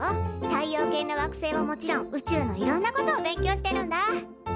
太陽系の惑星はもちろん宇宙のいろんなことを勉強してるんだ。